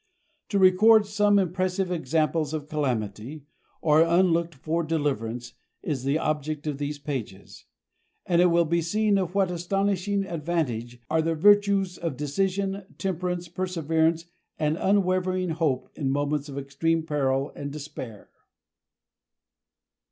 To record some impressive examples of calamity, or unlooked for deliverance, is the object of these pages; and it will be seen of what astonishing advantage are the virtues of decision, temperance, perseverance and unwavering hope in moments of extreme peril and despair.